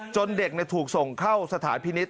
เด็กถูกส่งเข้าสถานพินิษฐ